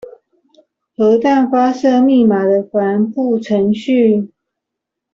核彈發射密碼的繁複程序